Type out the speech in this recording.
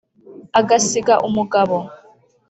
agasiga umugabo